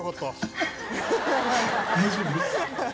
大丈夫？